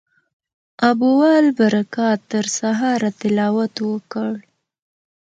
ابوالبرکات تر سهاره تلاوت وکړ.